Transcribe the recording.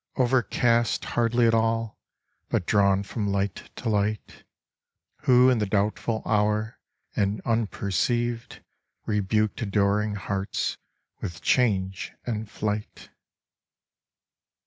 overcast Hardly at all, but drawn from light to light, Who in the doubtful hour, and unperceived, Rebuked adoring hearts with change and flight.